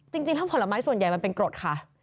จริงทั้งผลไม้ส่วนใหญ่มันเป็นกรดค่ะ